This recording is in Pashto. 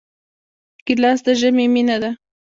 ګیلاس د ژمي مینه ده.